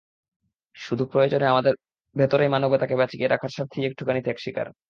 শুধু প্রয়োজন আমাদের ভেতরের মানবতাকে বাঁচিয়ে রাখার স্বার্থেই একটুখানি ত্যাগ স্বীকার।